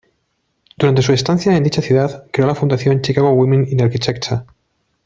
Durante su estancia en dicha ciudad, creó la fundación "Chicago Women in Architecture".